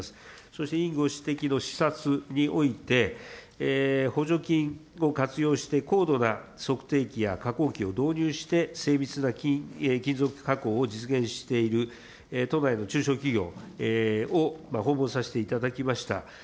そして委員ご指摘の視察において、補助金を活用して高度な測定器や加工機を導入して精密な金属加工を実現している都内の中小企業を訪問させていただきました。